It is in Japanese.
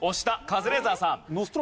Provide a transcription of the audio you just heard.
カズレーザーさん。